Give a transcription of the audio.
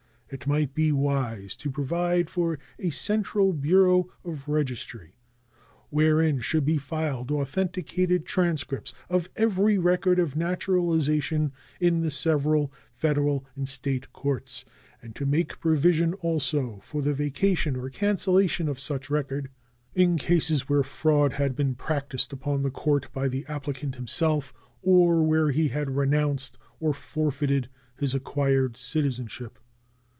It might be wise to provide for a central bureau of registry, wherein should be filed authenticated transcripts of every record of naturalization in the several Federal and State courts, and to make provision also for the vacation or cancellation of such record in cases where fraud had been practiced upon the court by the applicant himself or where he had renounced or forfeited his acquired citizenship.